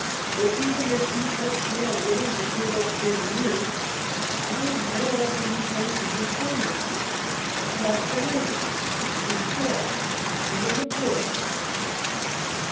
But even if you personally are willing to give us ten years, how in hell do you think you can swing it? How about the Navy the Stretts even the Board?"